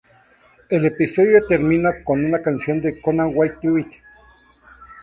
El episodio termina con una canción de Conway Twitty.